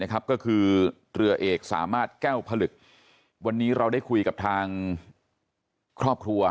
ก็คือเรือเอกสามารถแก้วผลึกวันนี้เราได้คุยกับทางครอบครัว